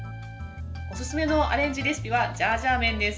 おすすめのアレンジレシピはジャージャー麺です。